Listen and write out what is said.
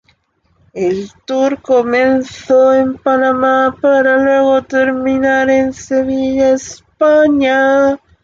El tour comenzó en Panamá para luego terminar en Sevilla España.